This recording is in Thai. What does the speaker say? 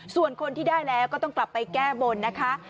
ส่วนคนที่ได้แล้วก็ต้องกลับไปแก้บนนะคะ